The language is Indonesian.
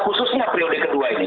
khususnya prioritas kedua ini